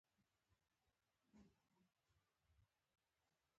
شخړه په هر وخت کې د هرې ډلې ترمنځ رامنځته کېدای شي.